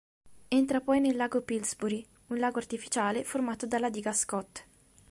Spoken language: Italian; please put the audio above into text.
Entra poi nel lago Pillsbury, un lago artificiale formato dalla diga Scott.